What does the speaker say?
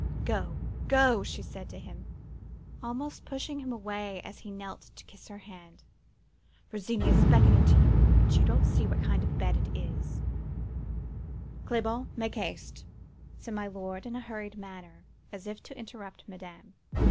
"'Go, go!' she said to him, almost pushing him away as he knelt to kiss her hand. 'Virginie is beckoning to you, but you don't see what kind of a bed it is—' "'Clement, make haste!' said my lord, in a hurried manner, as if to interrupt madame.